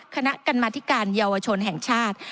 คณะกรรมธิการเยาวชนแห่งชาติ